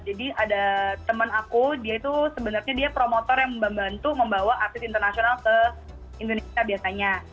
jadi ada teman aku dia itu sebenarnya dia promotor yang membantu membawa artis internasional ke indonesia biasanya